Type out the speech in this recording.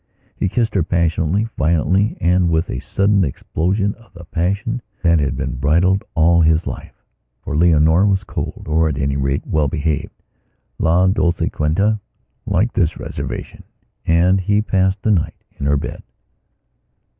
He kissed her passionately, violently, with a sudden explosion of the passion that had been bridled all his lifefor Leonora was cold, or at any rate, well behaved. La Dolciquita liked this reversion, and he passed the night in her bed.